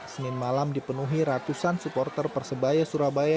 senin malam dipenuhi ratusan supporter persebaya surabaya